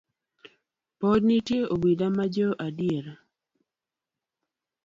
Pod nitiere obila ma jo adiera.